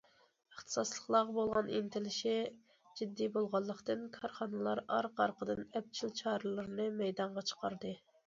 ئىختىساسلىقلارغا بولغان ئىنتىلىشى جىددىي بولغانلىقتىن، كارخانىلار ئارقا- ئارقىدىن ئەپچىل چارىلىرىنى مەيدانغا چىقاردى.